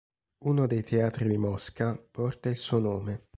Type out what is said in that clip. Uno dei teatri di Mosca porta il suo nome.